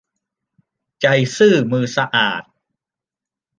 ใจซื่อมือสะอาด